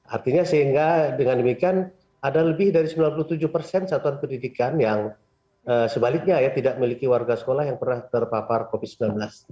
artinya sehingga dengan demikian ada lebih dari sembilan puluh tujuh persen satuan pendidikan yang sebaliknya ya tidak memiliki warga sekolah yang pernah terpapar covid sembilan belas